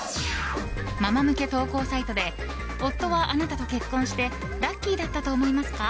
ママ向け投稿サイトで夫はあなたと結婚してラッキーだったと思いますか？